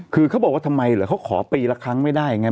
คือเขาบอกว่าทำไมเหรอเขาขอปีละครั้งไม่ได้อย่างนี้